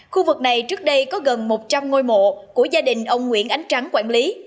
khu vực này trước đây có gần một trăm linh ngôi mộ của gia đình ông nguyễn ánh trắng quản lý